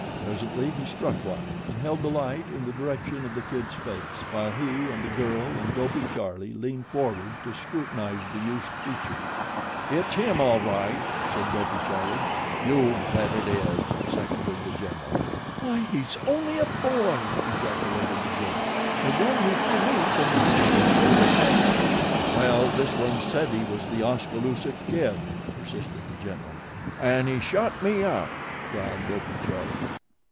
Presently he struck one and held the light in the direction of The Kid's face while he and the girl and Dopey Charlie leaned forward to scrutinize the youth's features. "It's him all right," said Dopey Charlie. "You bet it is," seconded The General. "Why he's only a boy," ejaculated the girl. "The one who threw me from the machine was a man." "Well, this one said he was The Oskaloosa Kid," persisted The General. "An' he shot me up," growled Dopey Charlie.